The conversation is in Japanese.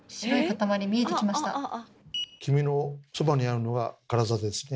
黄身のそばにあるのがカラザですね。